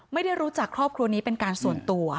ไม่ได้รู้จักครอบครัวนี้เป็นการส่วนตัว